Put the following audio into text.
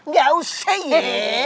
gak usah ya